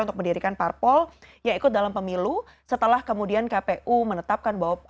untuk mendirikan parpol yang ikut dalam pemilu setelah kemudian kpu menetapkan bahwa